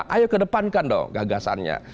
ayo kedepankan dong gagasannya